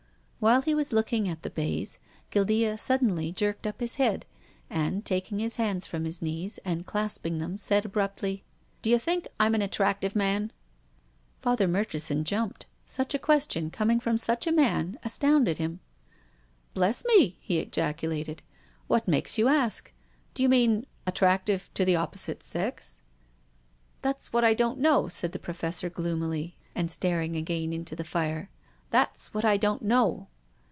While he was looking at the baize, Guildea suddenly jerked up his head, and, taking his hands from his knees and clasping them, said abruptly :" D'you think Fm an attractive man ?" Father Murcliison jumped. Such a question coming from such a man astounded him. " Bless me !" he ejaculated. " What makes you ask? Do you mean attractive to the oppo site sex? " PROFESSOR GUILDEA. 283 " That's what I don't know," said the Professor gloomily, and staring again into the fire. " That's what I don't know."